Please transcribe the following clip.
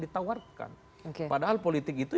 ditawarkan padahal politik itu